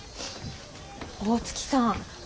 大月さん。